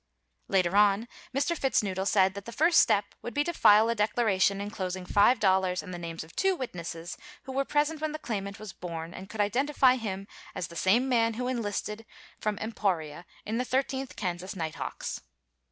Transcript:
Later on Mr. Fitznoodle said that the first step would be to file a declaration enclosing $5 and the names of two witnesses who were present when the claimant was born, and could identify him as the same man who enlisted from Emporia in the Thirteenth Kansas Nighthawks.